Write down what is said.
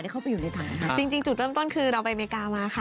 ได้เข้าไปอยู่ในถังค่ะจริงจริงจุดเริ่มต้นคือเราไปเมริกามาค่ะ